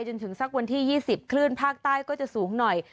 จนถึงสักวันที่๒๐คลื่นภาคใต้ก็จะสูงหน่อย